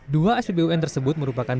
dua spbun tersebut merupakan